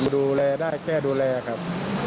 ดูแลได้แค่ดูแลครับ